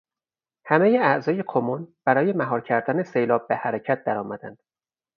همهٔ اعضای کمون برای مهار کردن سیلاب به حرکت درآمدند.